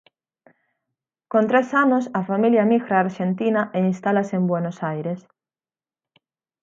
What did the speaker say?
Con tres anos a familia emigra a Arxentina e instálase en Buenos Aires.